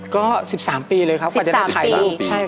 ก็๑๓ปีเลยครับกว่าจะได้ถ่ายรูป